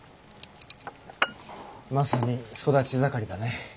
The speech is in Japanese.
まさに育ち盛りだね。